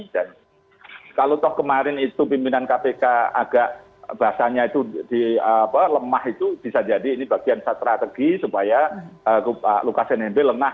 dan kalau kemarin pimpinan kpk agak lemah itu bisa jadi bagian strategi supaya lukas nmb lengah